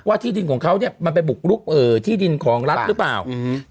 ที่ดินของเขาเนี้ยมันไปบุกลุกเอ่อที่ดินของรัฐหรือเปล่าอืม